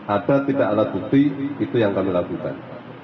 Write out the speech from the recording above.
ada tindak lanjuti itu yang kami lakukan